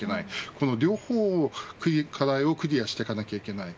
この両方の課題をクリアしなきゃいけない。